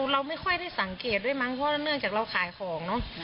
เราไม่ค่อยได้สังเกตด้วยมั้งเพราะเนื่องจากเราขายของเนอะ